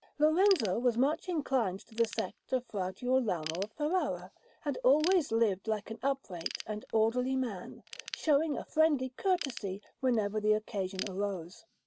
Lorenzo was much inclined to the sect of Fra Girolamo of Ferrara, and always lived like an upright and orderly man, showing a friendly courtesy whenever the occasion arose.